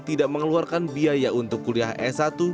tidak mengeluarkan biaya untuk kuliah s satu